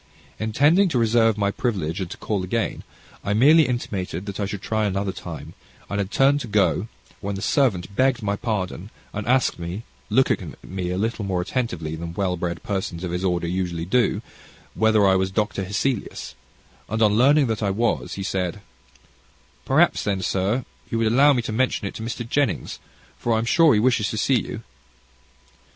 Intending to reserve my privilege, and to call again, I merely intimated that I should try another time, and had turned to go, when the servant begged my pardon, and asked me, looking at me a little more attentively than well bred persons of his order usually do, whether I was Dr. Hesselius; and, on learning that I was, he said, "Perhaps then, sir, you would allow me to mention it to Mr. Jennings, for I am sure he wishes to see you."